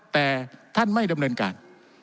แต่ท่านไม่ดำเนินการ